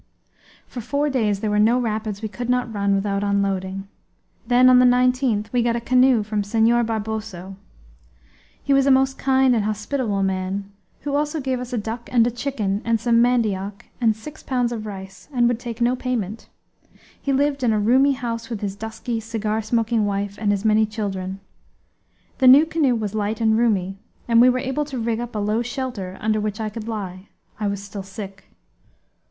For four days there were no rapids we could not run without unloading. Then, on the 19th, we got a canoe from Senhor Barboso. He was a most kind and hospitable man, who also gave us a duck and a chicken and some mandioc and six pounds of rice, and would take no payment; he lived in a roomy house with his dusky, cigar smoking wife and his many children. The new canoe was light and roomy, and we were able to rig up a low shelter under which I could lie; I was still sick.